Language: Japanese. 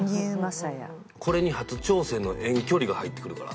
これに初挑戦の遠距離が入ってくるから。